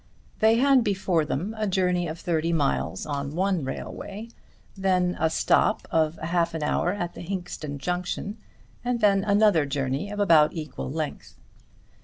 They had before them a journey of thirty miles on one railway, then a stop of half an hour at the Hinxton Junction; and then another journey of about equal length.